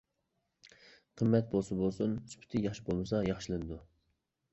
قىممەت بولسا بولسۇن، سۈپىتى ياخشى بولمىسا، ياخشىلىنىدۇ.